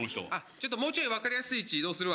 ちょっともうちょい分かりやすい位置移動するわ。